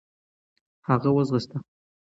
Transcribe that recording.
هغه و ځغاستی .